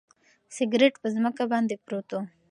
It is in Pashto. سګرټ په ځمکه باندې پروت و.